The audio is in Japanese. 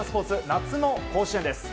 夏の甲子園です。